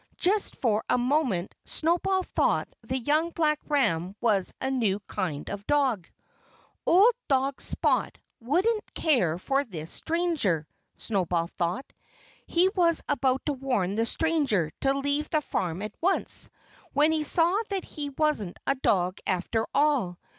Just for a moment Snowball thought the young black ram was a new kind of dog. "Old dog Spot won't care for this stranger," Snowball thought. He was about to warn the stranger to leave the farm at once, when he saw that he wasn't a dog after all.